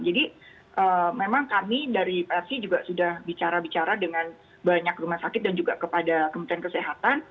jadi memang kami dari psi juga sudah bicara bicara dengan banyak rumah sakit dan juga kepada kementerian kesehatan